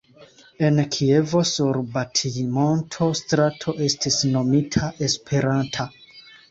En Kievo, sur Batij-monto strato estis nomita Esperanta.